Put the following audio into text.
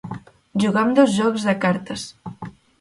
Jugar amb dos jocs de cartes.